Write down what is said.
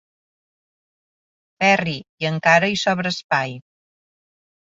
Ferri, i encara hi sobra espai.